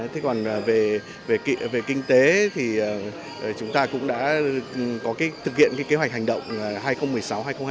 thế còn về kinh tế thì chúng ta cũng đã có thực hiện cái kế hoạch hành động hai nghìn một mươi sáu hai nghìn hai mươi